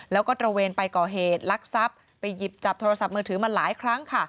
และตระเวณปลายกล่อเหตุลักที่ทรัพย์ไปหยิบจับโทรศัพท์มือถือมาหลายครั้ง